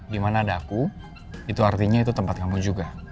dimana ada aku itu artinya itu tempat kamu juga